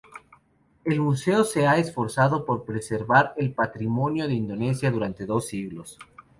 El museo se ha esforzado por preservar el patrimonio de Indonesia durante dos siglos.